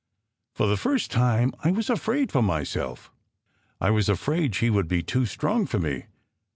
For the first time, I was afraid for myself. I was afraid she would be too strong for me.